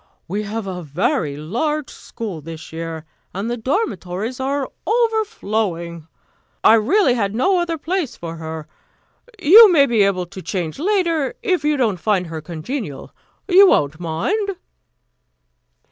We have a very large school this year, and the dormitories are overflowing. I really had no other place for her. You may be able to change later, if you don't find her congenial. You won't mind?"